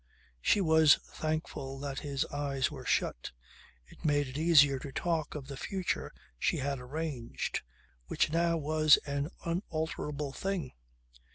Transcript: She was thankful that his eyes were shut. It made it easier to talk of the future she had arranged, which now was an unalterable thing.